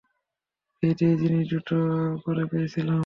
বিয়েতে এই জিনিস দুটো করে পেয়েছিলাম।